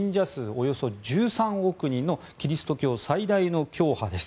およそ１３億人のキリスト教最大の教派です。